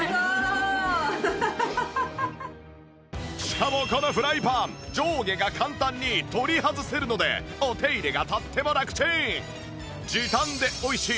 しかもこのフライパン上下が簡単に取り外せるのでお手入れがとってもラクチン！